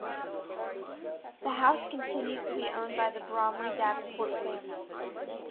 The house continues to be owned by the Bromley-Davenport family.